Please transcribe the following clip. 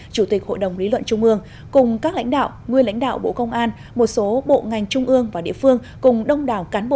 chủ tịch hội đồng lý luận trung ương cùng các lãnh đạo nguyên lãnh đạo bộ công an một số bộ ngành trung ương và địa phương cùng đông đảo cán bộ chiến sĩ và nhân dân